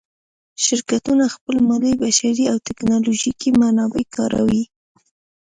شرکتونه خپل مالي، بشري او تکنالوجیکي منابع کاروي.